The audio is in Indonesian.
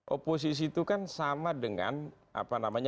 oposisi itu kan sama dengan apa namanya